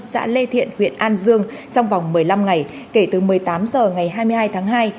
xã lê thiện huyện an dương trong vòng một mươi năm ngày kể từ một mươi tám h ngày hai mươi hai tháng hai